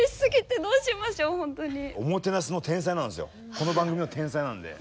この番組の天才なんで。